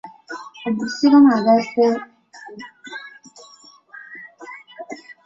回到一二号巴士站